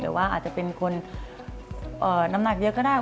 หรือว่าอาจจะเป็นคนน้ำหนักเยอะก็ได้